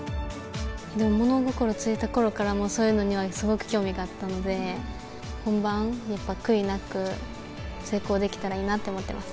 物心付いたころから、もうそういうのにはすごく興味があったので、本番、やっぱ悔いなく成功できたらいいなって思ってます。